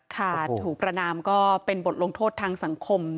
ค่ะถูกประนามก็เป็นบทลงโทษทางสังคม